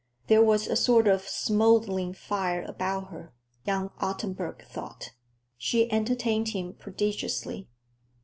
There was a sort of smouldering fire about her, young Ottenburg thought. She entertained him prodigiously.